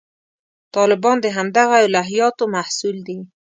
طالبان د همدغه الهیاتو محصول دي.